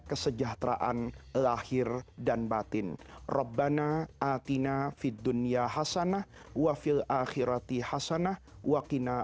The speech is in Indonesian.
kesejahteraan lahir dan batin rabbana atina fidunya hasanah wa fil akhirati hasanah waqina